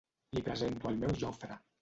Li presento el meu Jofre.